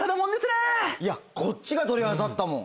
いやこっちが鳥肌立ったもん。